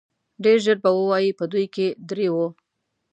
ډېر ژر به ووايي په دوی کې درې وو.